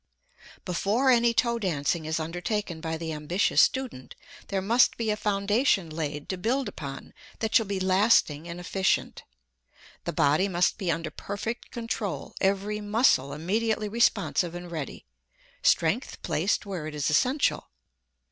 Before any toe dancing is undertaken by the ambitious student there must be a foundation laid to build upon that shall be lasting and efficient. The body must be under perfect control; every muscle immediately responsive and ready, strength placed where it is essential.